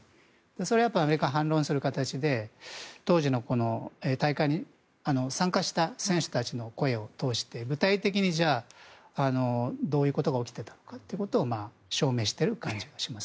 それにアメリカが反論する形で当時の大会に参加した選手たちの声を通して具体的にどういうことが起きていたのかということを証明している感じもします。